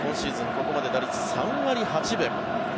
ここまで打率３割８分。